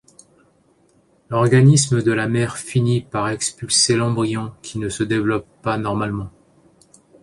L'organisme de la mère finit par expulser l'embryon qui ne se développe pas normalement.